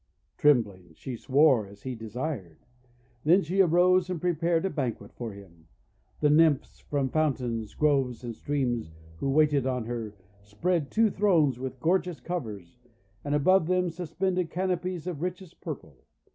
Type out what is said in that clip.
Trembling she swore as he desired. Then she arose and prepared a banquet for him. The Nymphs from fountains, groves, and streams, who waited on her, spread two thrones with gorgeous covers, and above them suspended canopies of richest purple.